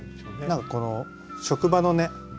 何かこの職場のね